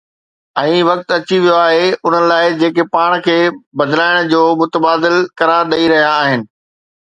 ۽ وقت اچي ويو آهي انهن لاءِ جيڪي پاڻ کي بدلائڻ جو متبادل قرار ڏئي رهيا آهن.